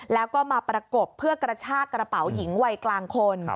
แล้วก็มาประกบเพื่อกระชากระเป๋าหญิงวัยกลางคน